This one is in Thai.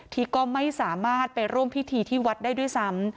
ที่ก็ไม่สามารถไปร่วมพิธีที่วัดได้ด้วยซ้ำ